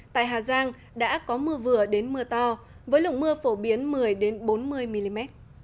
tại hà giang đã có mưa vừa đến mưa to với lượng mưa phổ biến một mươi bốn mươi mm